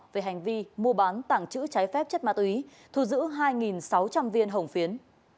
về hành vi mua bán tảng chữ trái phép chất ma túy thu giữ hai sáu trăm linh viên hồng phiến